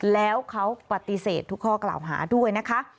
แล้วเขาปฏิเสธทุกข้อกล่าวหาด้วยนะคะ